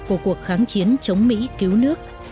của cuộc kháng chiến chống mỹ cứu nước